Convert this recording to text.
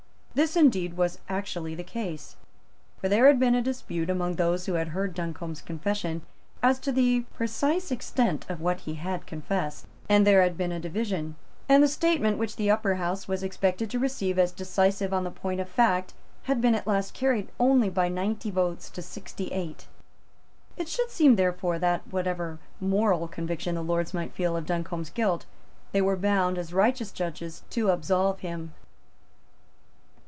This indeed was actually the case. For there had been a dispute among those who had heard Duncombe's confession as to the precise extent of what he had confessed; and there had been a division; and the statement which the Upper House was expected to receive as decisive on the point of fact had been at last carried only by ninety votes to sixty eight. It should seem therefore that, whatever moral conviction the Lords might feel of Duncombe's guilt, they were bound, as righteous judges, to absolve him.